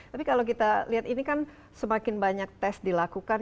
tapi kalau kita lihat ini kan semakin banyak tes dilakukan